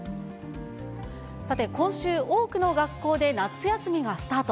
さて、今週、多くの学校で夏休みがスタート。